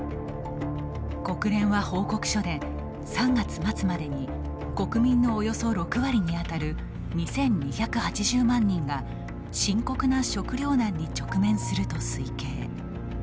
国連は報告書で３月末までに国民のおよそ６割に当たる２２８０万人が深刻な食糧難に直面すると推計。